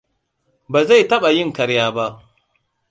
Ba zai taɓa yin ƙarya ba.